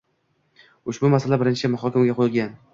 Ushbu masala birinchi muhokamaga qo‘yilgan.